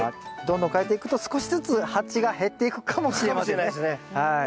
どんどん変えていくと少しずつ鉢が減っていくかもしれませんね。かもしれないですね。